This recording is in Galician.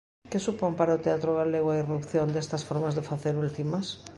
Que supón para o teatro galego a irrupción destas formas de facer últimas?